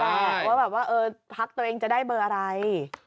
ว่าแบบว่าพักตัวเองจะได้เบอร์อะไร